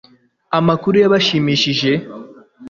Amakuru yabashimishije